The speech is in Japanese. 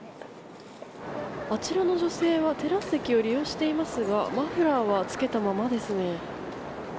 あちらの女性はテラス席を利用していますがマフラーは着けたままですね。